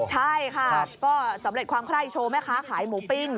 ใช่ค่ะก็สำเร็จความไคร้โชว์แม่ค้าขายหมูปิ้ง